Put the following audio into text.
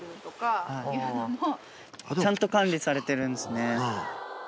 ちゃんと管理されてるんですね。